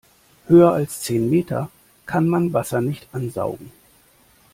Höher als zehn Meter kann man Wasser nicht ansaugen.